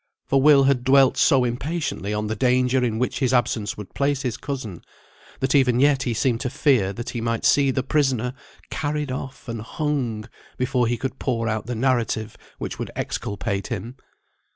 For Will had dwelt so impatiently on the danger in which his absence would place his cousin, that even yet he seemed to fear that he might see the prisoner carried off, and hung, before he could pour out the narrative which would exculpate him.